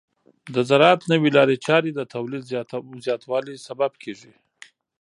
د زراعت نوې لارې چارې د تولید زیاتوالي سبب کیږي.